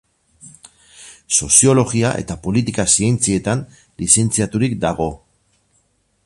Soziologia eta politika-zientzietan lizentziaturik dago.